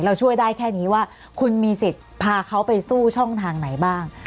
ช่วยได้แค่นี้ว่าคุณมีสิทธิ์พาเขาไปสู้ช่องทางไหนบ้าง